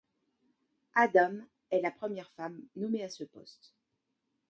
Adam est la première femme nommé à ce poste.